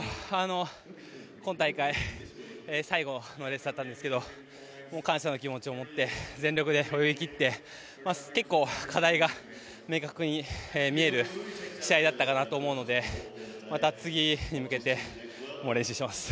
今大会最後のレースだったんですけど感謝の気持ちを持って全力で泳ぎ切って結構、課題が明確に見える試合だったかなと思うのでまた次に向けて練習します。